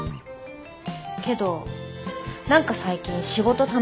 けど何か最近仕事楽しくない？